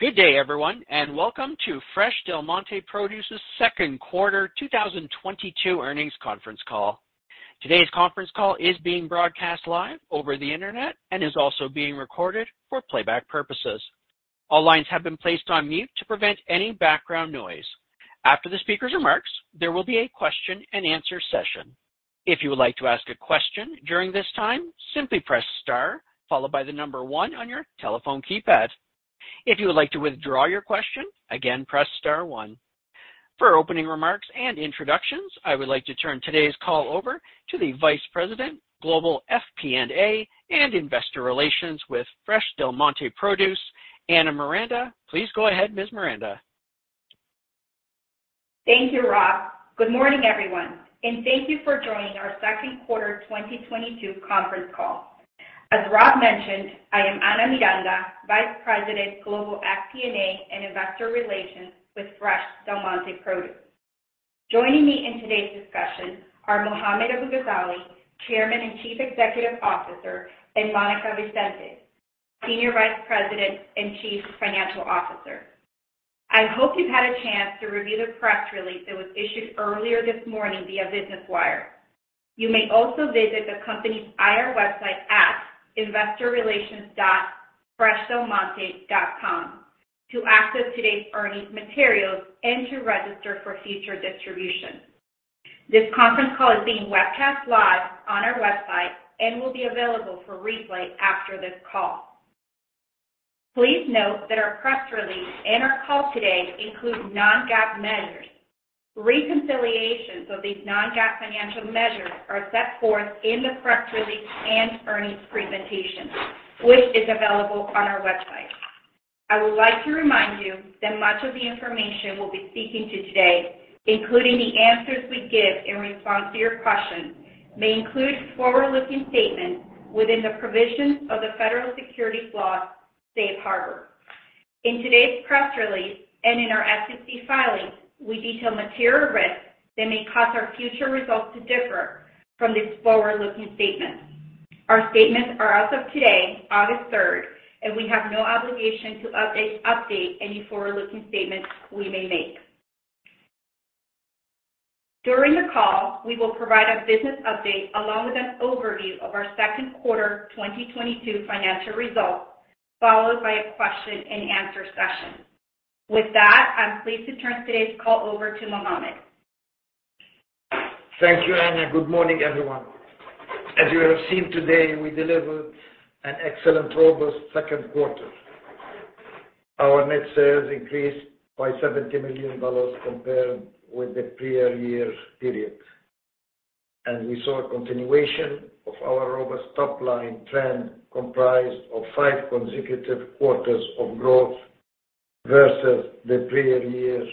Good day, everyone, and welcome to Fresh Del Monte Produce's second quarter 2022 earnings conference call. Today's conference call is being broadcast live over the Internet and is also being recorded for playback purposes. All lines have been placed on mute to prevent any background noise. After the speaker's remarks, there will be a question-and-answer session. If you would like to ask a question during this time, simply press star followed by the number one on your telephone keypad. If you would like to withdraw your question, again, press star-one. For opening remarks and introductions, I would like to turn today's call over to the Vice President, Global FP&A and Investor Relations with Fresh Del Monte Produce, Ana Miranda. Please go ahead, Ms. Miranda. Thank you, Rob. Good morning, everyone, and thank you for joining our second quarter 2022 conference call. As Rob mentioned, I am Ana Miranda, Vice President, Global FP&A and Investor Relations with Fresh Del Monte Produce. Joining me in today's discussion are Mohammad Abu-Ghazaleh, Chairman and Chief Executive Officer, and Monica Vicente, Senior Vice President and Chief Financial Officer. I hope you've had a chance to review the press release that was issued earlier this morning via Business Wire. You may also visit the company's IR website at investorrelations.freshdelmonte.com to access today's earnings materials and to register for future distribution. This conference call is being webcast live on our website and will be available for replay after this call. Please note that our press release and our call today include non-GAAP measures. Reconciliations of these non-GAAP financial measures are set forth in the press release and earnings presentation, which is available on our website. I would like to remind you that much of the information we'll be speaking to today, including the answers we give in response to your questions, may include forward-looking statements within the provisions of the federal securities laws safe harbor. In today's press release and in our SEC filings, we detail material risks that may cause our future results to differ from these forward-looking statements. Our statements are as of today, August 3rd, and we have no obligation to update any forward-looking statements we may make. During the call, we will provide a business update along with an overview of our second quarter 2022 financial results, followed by a question-and-answer session. With that, I'm pleased to turn today's call over to Mohammad. Thank you, Ana. Good morning, everyone. As you have seen today, we delivered an excellent robust second quarter. Our net sales increased by $70 million compared with the prior year period. We saw a continuation of our robust top line trend comprised of five consecutive quarters of growth versus the prior year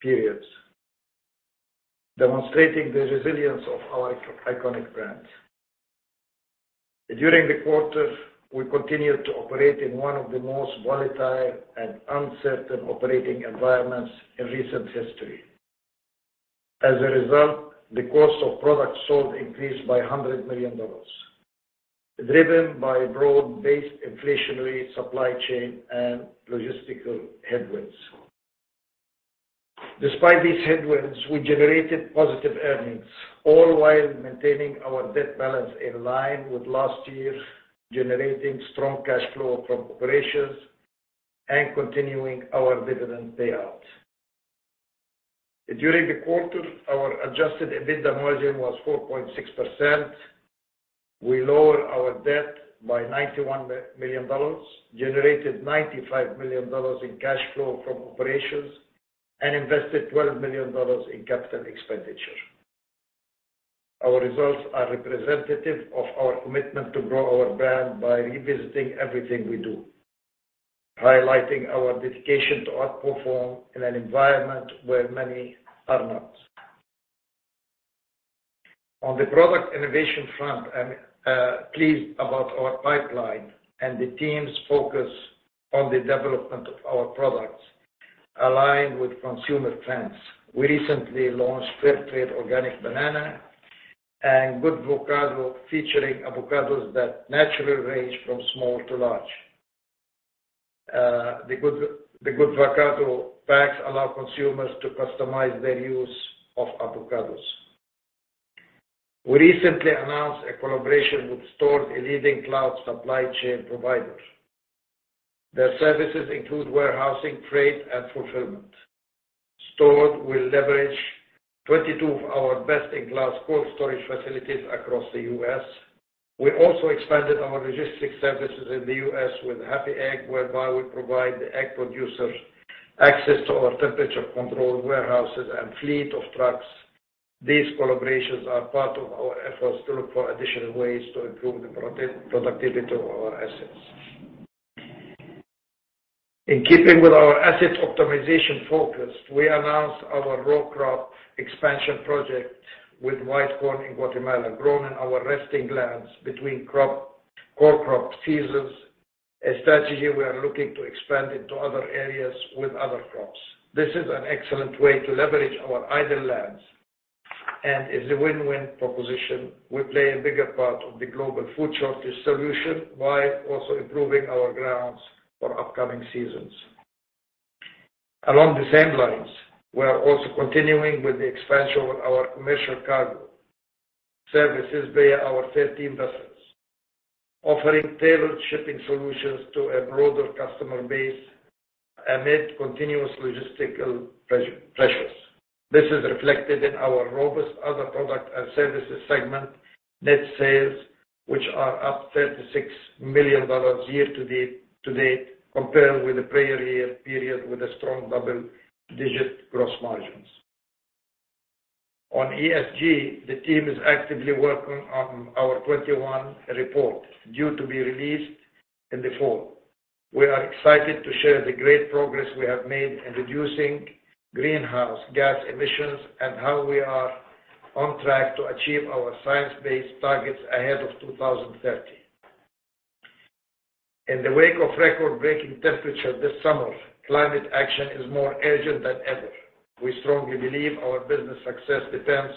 periods, demonstrating the resilience of our iconic brands. During the quarter, we continued to operate in one of the most volatile and uncertain operating environments in recent history. As a result, the cost of products sold increased by $100 million, driven by broad-based inflationary supply chain and logistical headwinds. Despite these headwinds, we generated positive earnings, all while maintaining our debt balance in line with last year, generating strong cash flow from operations and continuing our dividend payout. During the quarter, our adjusted EBITDA margin was 4.6%. We lowered our debt by $91 million, generated $95 million in cash flow from operations, and invested $12 million in capital expenditure. Our results are representative of our commitment to grow our brand by revisiting everything we do, highlighting our dedication to outperform in an environment where many are not. On the product innovation front, I'm pleased about our pipeline and the team's focus on the development of our products aligned with consumer trends. We recently launched [Fair Trade-certified bananas] and Goodvocado featuring avocados that naturally range from small to large. The Goodvocado packs allow consumers to customize their use of avocados. We recently announced a collaboration with Stord, a leading cloud supply chain provider. Their services include warehousing, freight, and fulfillment. Stord will leverage 22 of our best-in-class cold storage facilities across the U.S. We also expanded our logistics services in the U.S. with The Happy Egg Co., whereby we provide the egg producers access to our temperature-controlled warehouses and fleet of trucks. These collaborations are part of our efforts to look for additional ways to improve the productivity of our assets. In keeping with our asset optimization focus, we announced our row crop expansion project with white corn in Guatemala, grown in our resting lands between crop, core crop seasons. A strategy we are looking to expand into other areas with other crops. This is an excellent way to leverage our idle lands. It's a win-win proposition. We play a bigger part of the global food shortage solution while also improving our grounds for upcoming seasons. Along the same lines, we are also continuing with the expansion of our commercial cargo services via our 13 vessels, offering tailored shipping solutions to a broader customer base amid continuous logistical pressures. This is reflected in our robust other products and services segment net sales, which are up $36 million year to date compared with the prior year period with a strong double-digit gross margins. On ESG, the team is actively working on our 2021 report, due to be released in the fall. We are excited to share the great progress we have made in reducing greenhouse gas emissions and how we are on track to achieve our Science Based Targets ahead of 2030. In the wake of record-breaking temperatures this summer, climate action is more urgent than ever. We strongly believe our business success depends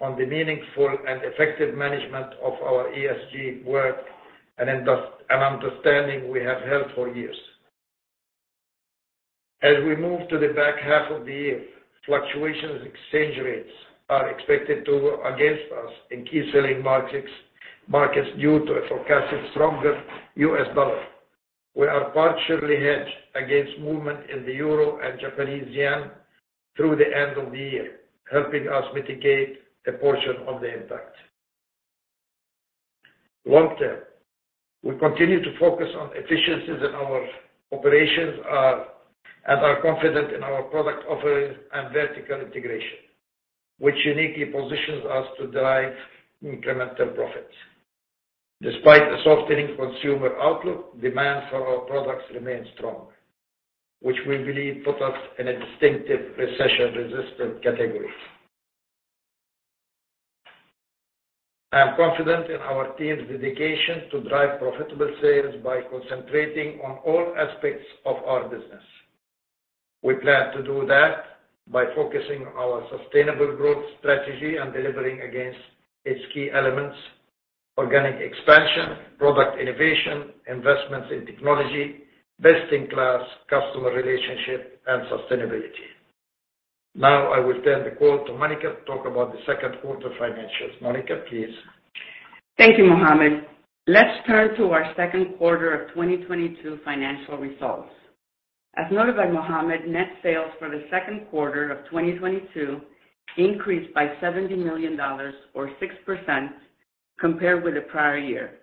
on the meaningful and effective management of our ESG work and an understanding we have held for years. As we move to the back half of the year, fluctuations in exchange rates are expected to work against us in key selling markets due to a forecasted stronger U.S. dollar. We are partially hedged against movement in the euro and Japanese yen through the end of the year, helping us mitigate a portion of the impact. Long-term, we continue to focus on efficiencies in our operations and are confident in our product offerings and vertical integration, which uniquely positions us to drive incremental profits. Despite the softening consumer outlook, demand for our products remains strong, which we believe put us in a distinctive recession-resistant category. I am confident in our team's dedication to drive profitable sales by concentrating on all aspects of our business. We plan to do that by focusing our sustainable growth strategy and delivering against its key elements, organic expansion, product innovation, investments in technology, best-in-class customer relationship, and sustainability. Now I will turn the call to Monica to talk about the second quarter financials. Monica, please. Thank you, Mohammad. Let's turn to our second quarter of 2022 financial results. As noted by Mohammad, net sales for the second quarter of 2022 increased by $70 million or 6% compared with the prior year.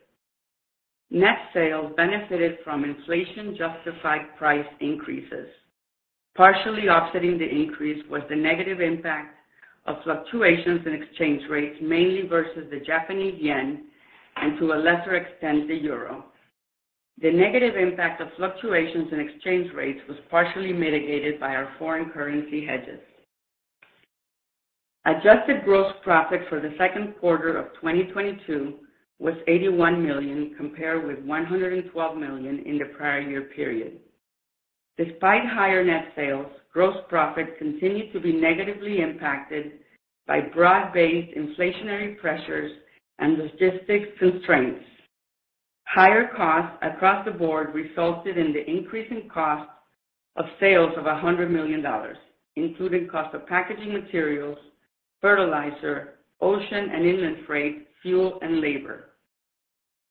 Net sales benefited from inflation-justified price increases. Partially offsetting the increase was the negative impact of fluctuations in exchange rates, mainly versus the Japanese yen and to a lesser extent, the euro. The negative impact of fluctuations in exchange rates was partially mitigated by our foreign currency hedges. Adjusted gross profit for the second quarter of 2022 was $81 million compared with $112 million in the prior year period. Despite higher net sales, gross profit continued to be negatively impacted by broad-based inflationary pressures and logistics constraints. Higher costs across the board resulted in the increase in cost of sales of $100 million, including cost of packaging materials, fertilizer, ocean and inland freight, fuel, and labor.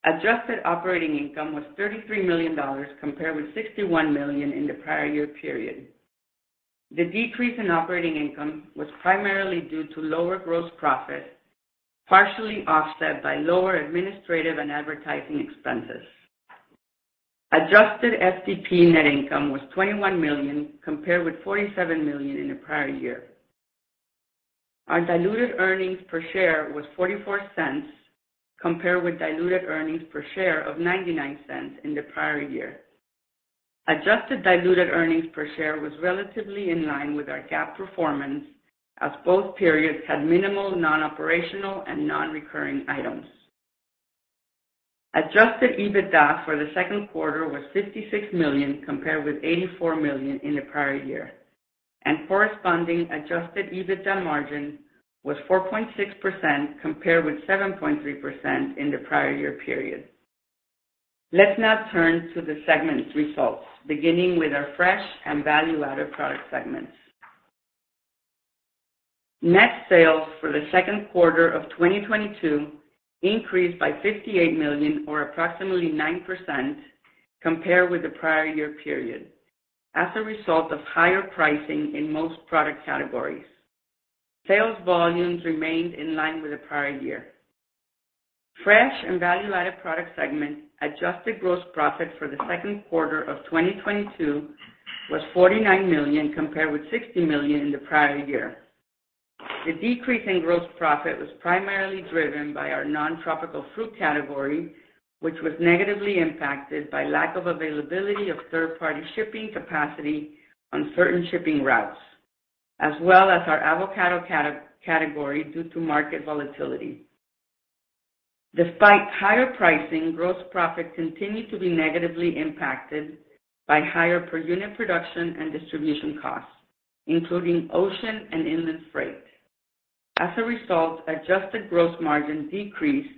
Adjusted operating income was $33 million compared with $61 million in the prior year period. The decrease in operating income was primarily due to lower gross profit, partially offset by lower administrative and advertising expenses. Adjusted FDP net income was $21 million compared with $47 million in the prior year. Our diluted earnings per share was $0.44 compared with diluted earnings per share of $0.99 in the prior year. Adjusted diluted earnings per share was relatively in line with our GAAP performance, as both periods had minimal non-operational and non-recurring items. Adjusted EBITDA for the second quarter was $56 million compared with $84 million in the prior year, and corresponding adjusted EBITDA margin was 4.6% compared with 7.3% in the prior year period. Let's now turn to the segment results, beginning with our fresh and value-added product segments. Net sales for the second quarter of 2022 increased by $58 million or approximately 9% compared with the prior year period as a result of higher pricing in most product categories. Sales volumes remained in line with the prior year. Fresh and value-added product segment adjusted gross profit for the second quarter of 2022 was $49 million compared with $60 million in the prior year. The decrease in gross profit was primarily driven by our non-tropical fruit category, which was negatively impacted by lack of availability of third-party shipping capacity on certain shipping routes, as well as our avocado category due to market volatility. Despite higher pricing, gross profit continued to be negatively impacted by higher per unit production and distribution costs, including ocean and inland freight. As a result, adjusted gross margin decreased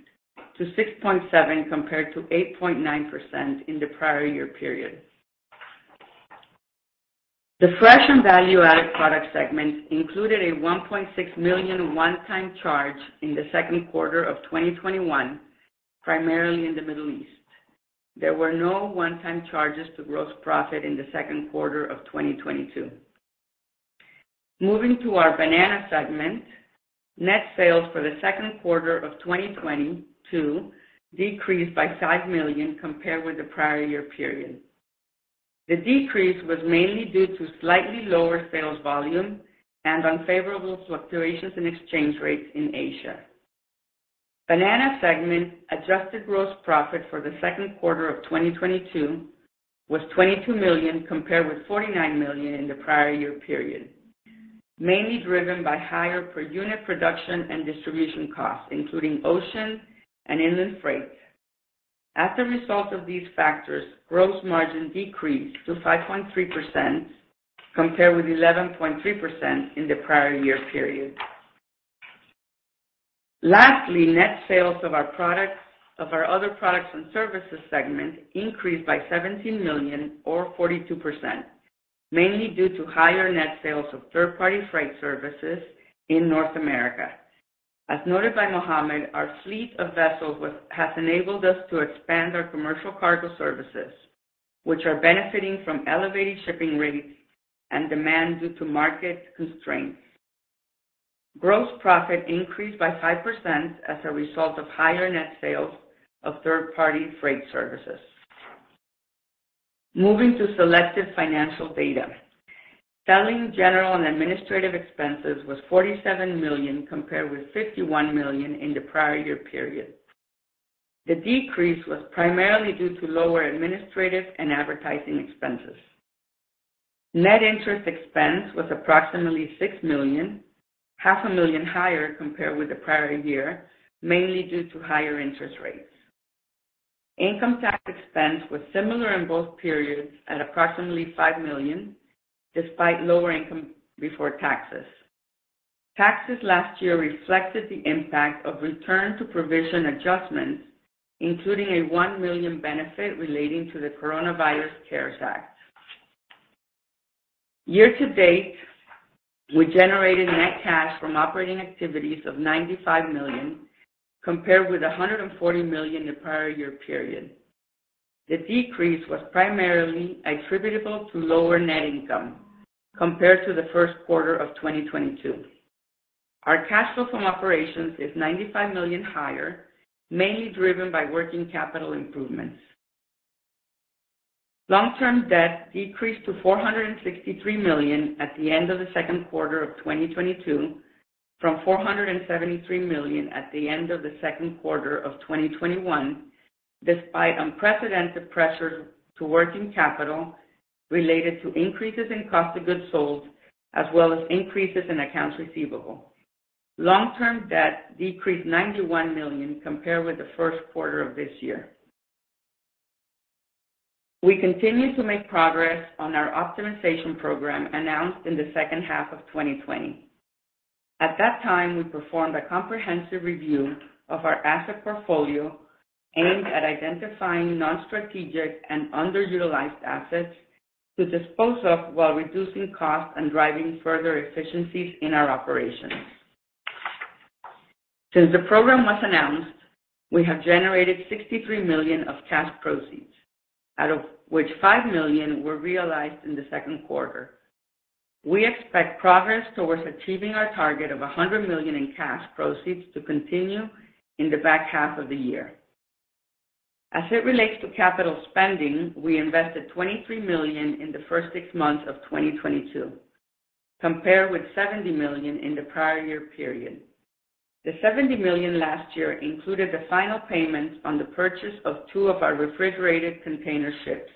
to 6.7% compared to 8.9% in the prior year period. The fresh and value-added product segments included a $1.6 million one-time charge in the second quarter of 2021, primarily in the Middle East. There were no one-time charges to gross profit in the second quarter of 2022. Moving to our banana segment. Net sales for the second quarter of 2022 decreased by $5 million compared with the prior year period. The decrease was mainly due to slightly lower sales volume and unfavorable fluctuations in exchange rates in Asia. Banana segment adjusted gross profit for the second quarter of 2022 was $22 million, compared with $49 million in the prior year period, mainly driven by higher per unit production and distribution costs, including ocean and inland freight. As a result of these factors, gross margin decreased to 5.3%, compared with 11.3% in the prior year period. Lastly, net sales of our other products and services segment increased by $17 million or 42%, mainly due to higher net sales of third-party freight services in North America. As noted by Mohammed, our fleet of vessels has enabled us to expand our commercial cargo services, which are benefiting from elevated shipping rates and demand due to market constraints. Gross profit increased by 5% as a result of higher net sales of third-party freight services. Moving to selective financial data. Selling, general, and administrative expenses was $47 million, compared with $51 million in the prior year period. The decrease was primarily due to lower administrative and advertising expenses. Net interest expense was approximately $6 million, half a million higher compared with the prior year, mainly due to higher interest rates. Income tax expense was similar in both periods at approximately $5 million, despite lower income before taxes. Taxes last year reflected the impact of return to provision adjustments, including a $1 million benefit relating to the Coronavirus CARES Act. Year-to-date, we generated net cash from operating activities of $95 million, compared with $140 million in the prior year period. The decrease was primarily attributable to lower net income compared to the first quarter of 2022. Our cash flow from operations is $95 million higher, mainly driven by working capital improvements. Long-term debt decreased to $463 million at the end of the second quarter of 2022, from $473 million at the end of the second quarter of 2021, despite unprecedented pressures to working capital related to increases in cost of goods sold, as well as increases in accounts receivable. Long-term debt decreased $91 million compared with the first quarter of this year. We continue to make progress on our optimization program announced in the second half of 2020. At that time, we performed a comprehensive review of our asset portfolio aimed at identifying non-strategic and underutilized assets to dispose of while reducing costs and driving further efficiencies in our operations. Since the program was announced, we have generated $63 million of cash proceeds, out of which $5 million were realized in the second quarter. We expect progress towards achieving our target of $100 million in cash proceeds to continue in the back half of the year. As it relates to capital spending, we invested $23 million in the first 6 months of 2022, compared with $70 million in the prior year period. The $70 million last year included the final payment on the purchase of two of our refrigerated container ships.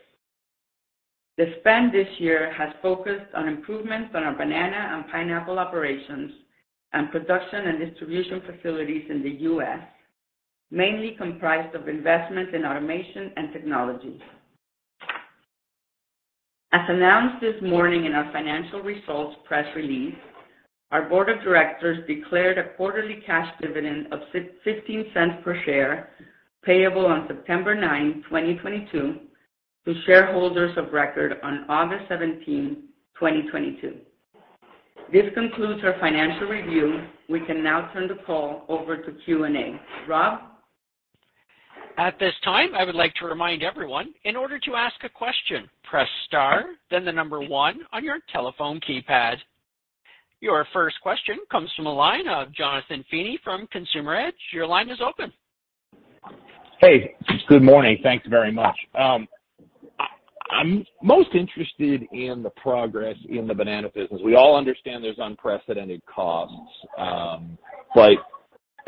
The spend this year has focused on improvements on our banana and pineapple operations and production and distribution facilities in the U.S., mainly comprised of investments in automation and technologies. As announced this morning in our financial results press release, our board of directors declared a quarterly cash dividend of $0.15 per share, payable on September 9, 2022 to shareholders of record on August 17, 2022. This concludes our financial review. We can now turn the call over to Q&A. Rob? At this time, I would like to remind everyone, in order to ask a question, press star, then the number one on your telephone keypad. Your first question comes from the line of Jonathan Feeney from Consumer Edge. Your line is open. Hey, good morning. Thanks very much. I'm most interested in the progress in the banana business. We all understand there's unprecedented costs, but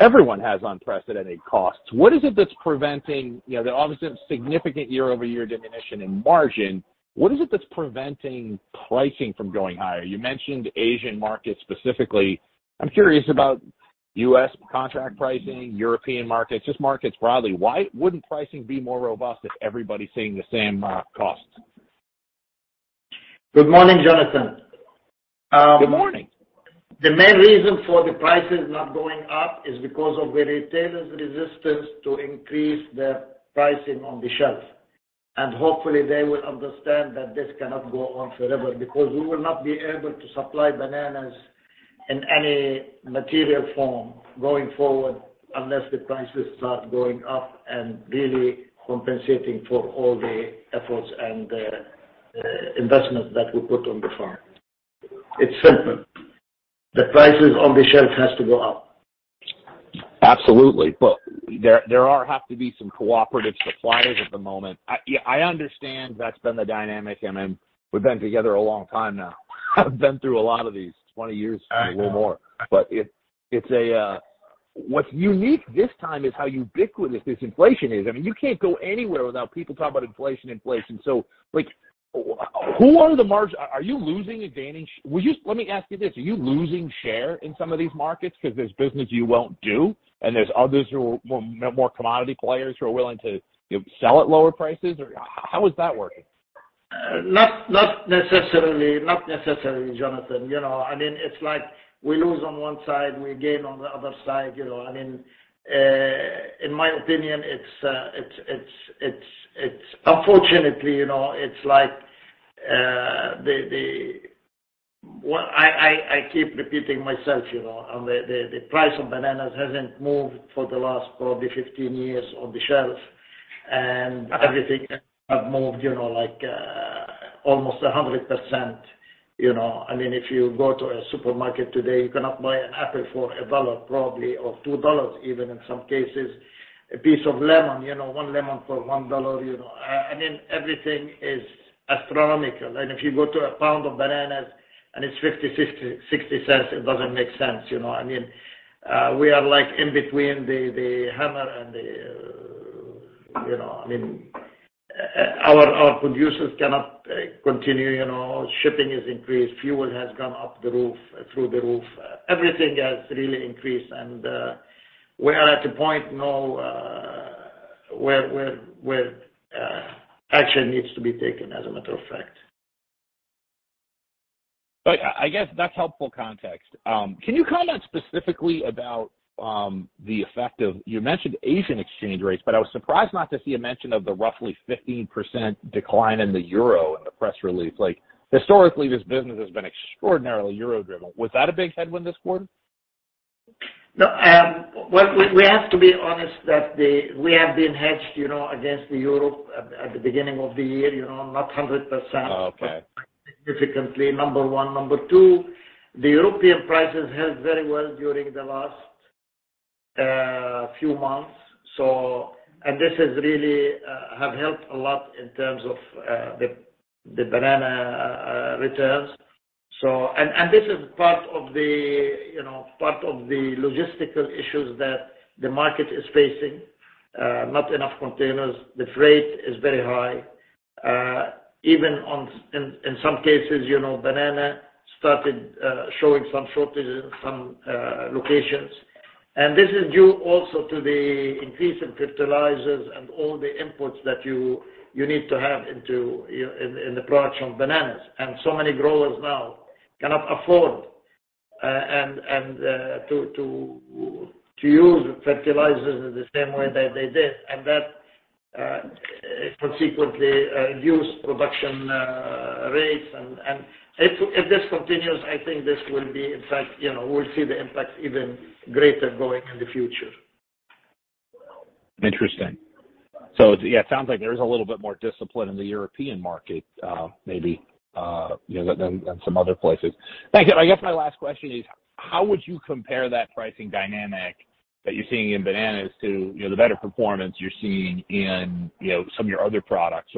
everyone has unprecedented costs. You know, there's obviously a significant year-over-year diminution in margin. What is it that's preventing pricing from going higher? You mentioned Asian markets specifically. I'm curious about U.S. contract pricing, European markets, just markets broadly. Why wouldn't pricing be more robust if everybody's seeing the same costs? Good morning, Jonathan. Good morning. The main reason for the prices not going up is because of the retailers' resistance to increase their pricing on the shelf. Hopefully they will understand that this cannot go on forever because we will not be able to supply bananas in any material form going forward unless the prices start going up and really compensating for all the efforts and the investment that we put on the farm. It's simple. The prices on the shelf has to go up. Absolutely. There have to be some cooperative suppliers at the moment. Yeah, I understand that's been the dynamic, and then we've been together a long time now. I've been through a lot of these 20 years or a little more. What's unique this time is how ubiquitous this inflation is. I mean, you can't go anywhere without people talking about inflation. So like, are you losing advantage? Let me ask you this, are you losing share in some of these markets because there's business you won't do, and there's others who will, more commodity players who are willing to sell at lower prices? Or how is that working? Not necessarily, Jonathan. You know, I mean, it's like we lose on one side, and we gain on the other side, you know. I mean, in my opinion, unfortunately, you know, it's like what I keep repeating myself, you know, the price of bananas hasn't moved for the last probably 15 years on the shelf and everything have moved, you know, like almost 100%, you know. I mean, if you go to a supermarket today, you cannot buy an apple for $1 probably or $2 even in some cases. A piece of lemon, you know, one lemon for $1, you know. Then everything is astronomical. If you go to a pound of bananas and it's $0.50, $0.60, it doesn't make sense, you know. I mean, we are like in between the hammer and the, you know, I mean, our producers cannot continue, you know. Shipping has increased. Fuel has gone through the roof. Everything has really increased. We are at a point now where action needs to be taken as a matter of fact. I guess that's helpful context. Can you comment specifically about the effect of. You mentioned Asian exchange rates, but I was surprised not to see a mention of the roughly 15% decline in the euro in the press release. Like, historically, this business has been extraordinarily euro-driven. Was that a big headwind this quarter? No, well, we have to be honest that we have been hedged, you know, against the euro at the beginning of the year, you know, not 100%, significantly, number one. Number two, the European prices held very well during the last few months. This has really helped a lot in terms of the banana returns. This is part of the logistical issues that the market is facing, you know. Not enough containers. The freight is very high. In some cases, you know, banana started showing some shortages in some locations. This is due also to the increase in fertilizers and all the inputs that you need to have in the production of bananas. So many growers now cannot afford to use fertilizers in the same way that they did. That consequently reduce production rates. If this continues, I think this will be, in fact, you know, we'll see the impact even greater going in the future. Interesting. So yeah, it sounds like there is a little bit more discipline in the European market, maybe, you know, than some other places. Thank you. I guess my last question is: How would you compare that pricing dynamic that you're seeing in bananas to, you know, the better performance you're seeing in, you know, some of your other products?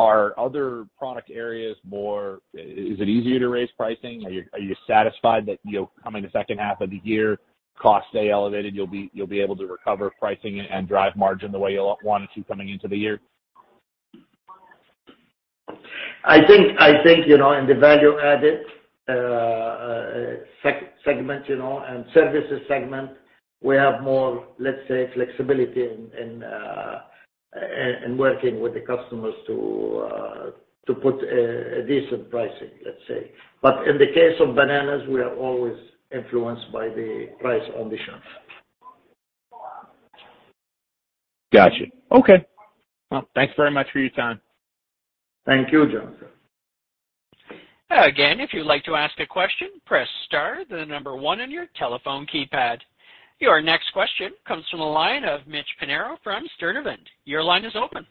Are other product areas more. Is it easier to raise pricing? Are you satisfied that, you know, coming the second half of the year, costs stay elevated, you'll be able to recover pricing and drive margin the way you want to see coming into the year? I think, you know, in the value-added segment, you know, and services segment, we have more, let's say, flexibility in working with the customers to put a decent pricing, let's say. In the case of bananas, we are always influenced by the price on the shelf. Gotcha. Okay. Well, thanks very much for your time. Thank you, Jonathan. Again, if you'd like to ask a question, press star then number one on your telephone keypad. Your next question comes from the line of Mitch Pinheiro from Stifel Nicolaus. Your line is open.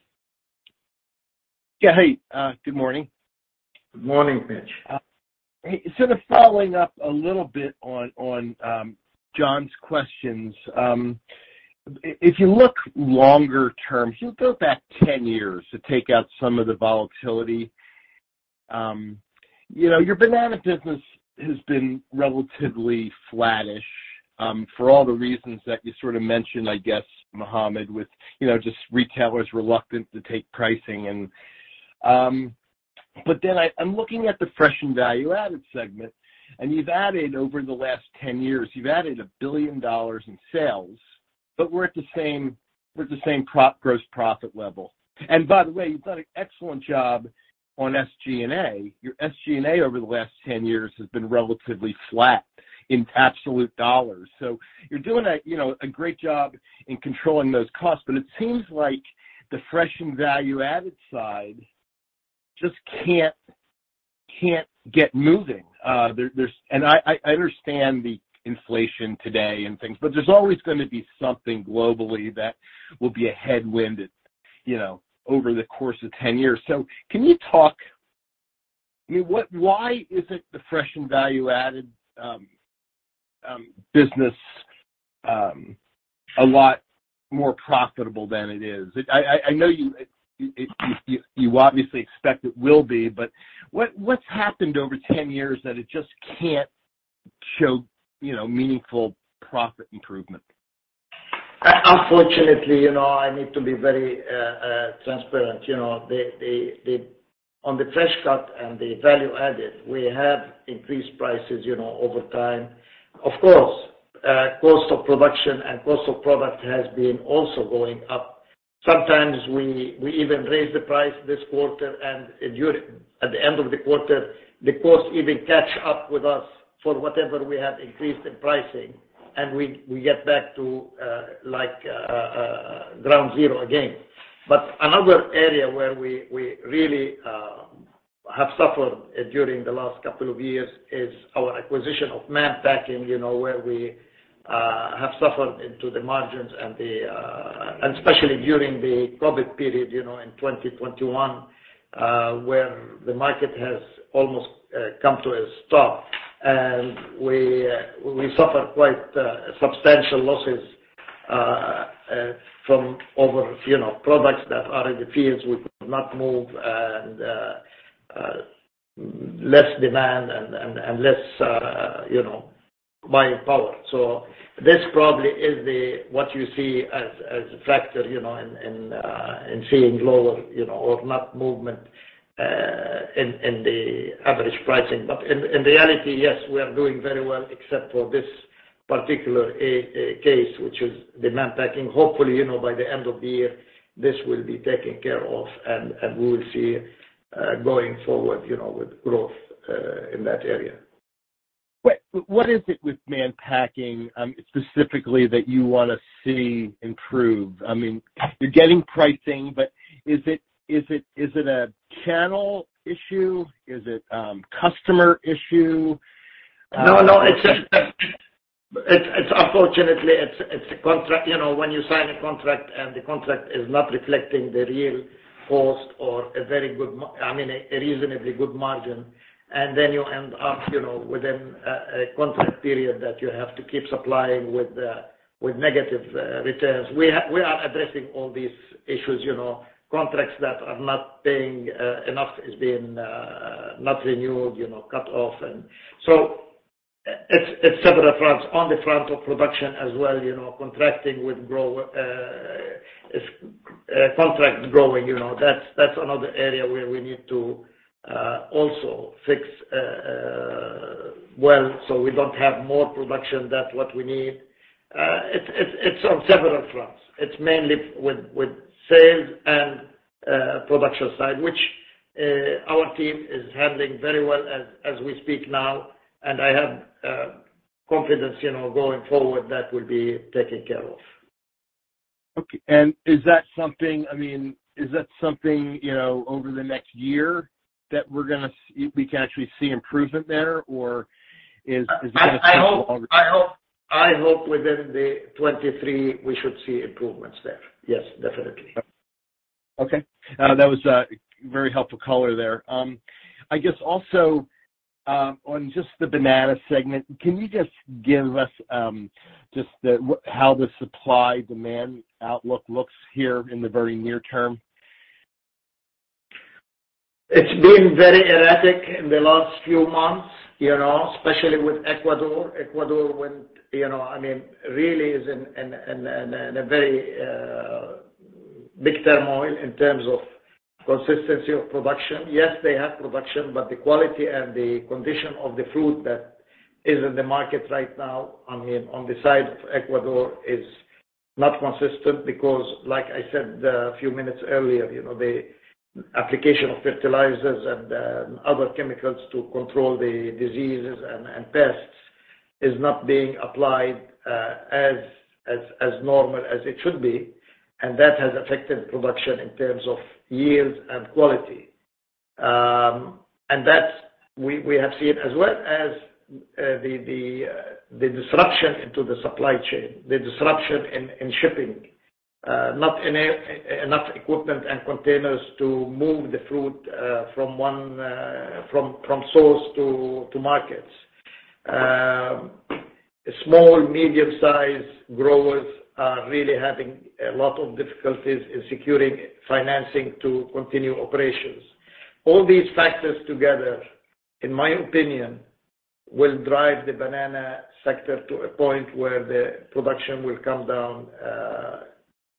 Yeah. Hey, good morning. Good morning, Mitch. Sort of following up a little bit on John's questions. If you look longer-term, if you go back 10 years to take out some of the volatility, you know, your banana business has been relatively flattish, for all the reasons that you sort of mentioned, I guess, Mohammad, with you know just retailers reluctant to take pricing. I'm looking at the fresh and value-added segment, and you've added over the last 10 years $1 billion in sales. We're at the same gross profit level. By the way, you've done an excellent job on SG&A. Your SG&A over the last 10 years has been relatively flat in absolute dollars. You're doing a great job in controlling those costs. It seems like the fresh and value-added side just can't get moving. I understand the inflation today and things, but there's always going to be something globally that will be a headwind, you know, over the course of 10 years. Can you talk. I mean, why isn't the fresh and value-added business a lot more profitable than it is? I know you obviously expect it will be, but what's happened over 10 years that it just can't show, you know, meaningful profit improvement? Unfortunately, you know, I need to be very transparent. You know, on the fresh cut and the value-added, we have increased prices, you know, over time. Of course, cost of production and cost of product has been also going up. Sometimes we even raise the price this quarter and at the end of the quarter, the cost even catch up with us for whatever we have increased in pricing, and we get back to ground zero again. Another area where we really have suffered during the last couple of years is our acquisition of Mann Packing, you know, where we have suffered into the margins. Especially during the COVID period, you know, in 2021, where the market has almost come to a stop. We suffered quite substantial losses from over, you know, products that are in the fields we could not move and less demand and less buying power. This probably is what you see as a factor, you know, in seeing lower, you know, or not movement in the average pricing. In reality, yes, we are doing very well except for this particular case, which is the Mann Packing. Hopefully, you know, by the end of the year, this will be taken care of and we will see going forward, you know, with growth in that area. What is it with Mann Packing specifically that you wanna see improve? I mean, you're getting pricing, but is it a channel issue? Is it a customer issue? No, no. It's unfortunately a contract. You know, when you sign a contract and the contract is not reflecting the real cost or a reasonably good margin, and then you end up, you know, within a contract period that you have to keep supplying with negative returns. We are addressing all these issues, you know, contracts that are not paying enough is being not renewed, you know, cut off. It's several fronts. On the front of production as well, you know, contracting with growers contract growing, you know. That's another area where we need to also fix, well, so we don't have more production than what we need. It's on several fronts. It's mainly with sales and production side, which our team is handling very well as we speak now, and I have confidence, you know, going forward that will be taken care of. Okay. Is that something, I mean, is that something, you know, over the next year that we can actually see improvement there or is it going to take longer? I hope within the 2023 we should see improvements there. Yes, definitely. Okay. That was a very helpful color there. I guess also on just the banana segment, can you just give us how the supply-demand outlook looks here in the very near-term? It's been very erratic in the last few months, you know, especially with Ecuador. Ecuador, you know, I mean, really is in a very big turmoil in terms of consistency of production. Yes, they have production, but the quality and the condition of the fruit that is in the market right now, I mean, on the side of Ecuador is not consistent because like I said a few minutes earlier, you know, the application of fertilizers and other chemicals to control the diseases and pests is not being applied as normal as it should be, and that has affected production in terms of yields and quality. That's what we have seen as well as the disruption into the supply chain, the disruption in shipping, not enough equipment and containers to move the fruit from source to markets. Small, medium-size growers are really having a lot of difficulties in securing financing to continue operations. All these factors together, in my opinion, will drive the banana sector to a point where the production will come down,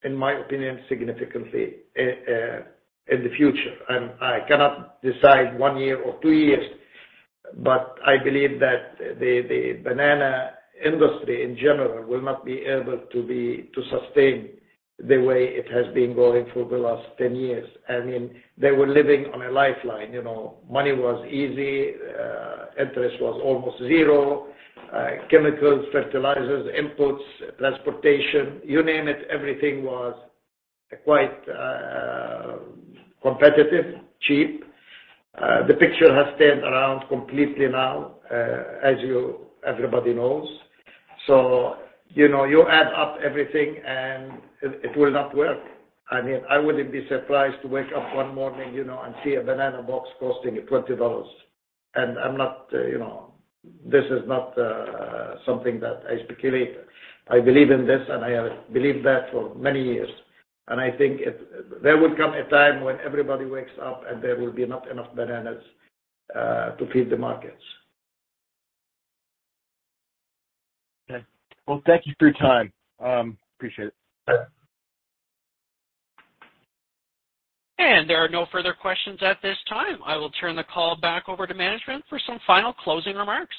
in my opinion, significantly in the future. I cannot decide one year or two years, but I believe that the banana industry in general will not be able to to sustain the way it has been going for the last 10 years. I mean, they were living on a lifeline, you know. Money was easy, interest was almost zero, chemicals, fertilizers, inputs, transportation, you name it, everything was quite competitive, cheap. The picture has turned around completely now, everybody knows. You know, you add up everything and it will not work. I mean, I wouldn't be surprised to wake up one morning, you know, and see a banana box costing you $20. This is not something that I particularly. I believe in this, and I have believed that for many years. I think there will come a time when everybody wakes up and there will be not enough bananas to feed the markets. Okay. Well, thank you for your time. Appreciate it. There are no further questions at this time. I will turn the call back over to management for some final closing remarks.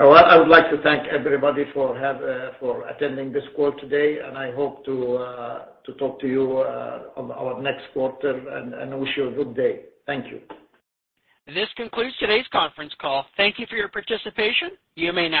Well, I would like to thank everybody for attending this call today, and I hope to talk to you on our next quarter and wish you a good day. Thank you. This concludes today's conference call. Thank you for your participation. You may now disconnect.